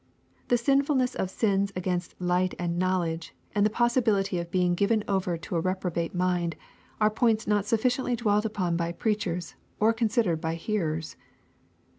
The sinfulness of sins against light and knowledge, and the possibility of being given over to a reprobate mind, are points not sufficientiy dwelt upon by preachers, or considered by hearers.